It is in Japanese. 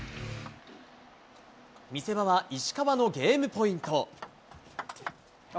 見せ場は石川のゲームポイント。